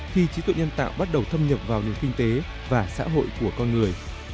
khi trí tuệ nhân tạo bắt đầu thâm nhập vào nền kinh tế và xã hội của con người